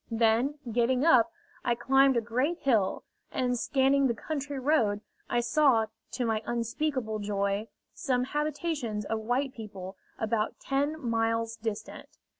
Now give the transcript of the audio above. Then, getting up, I climbed a great hill, and, scanning the country round, I saw, to my unspeakable joy, some habitations of white people, about ten miles distant.